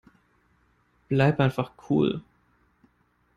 Bleib einfach cool.